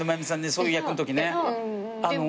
そういう役のときね。